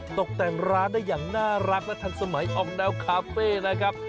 ตกแต่งร้านได้อย่างน่ารักและทันสมัยออกแนวคาเฟ่นะครับ